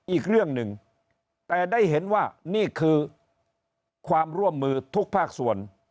อีกเรื่องหนึ่งแต่ได้เห็นว่านี่คือความร่วมมือทุกภาคส่วน